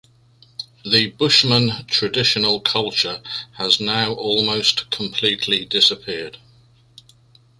The Bushmen traditional culture has now almost completely disappeared.